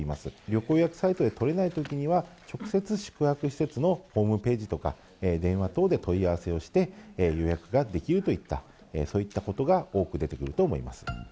旅行予約サイトで取れないときには、直接、宿泊施設のホームページとか、電話等で問い合わせをして、予約ができるといった、そういったことが多く出てくると思います。